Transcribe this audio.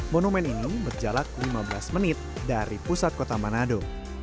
monumen ini berjalak lima belas menit dari pusat kota manado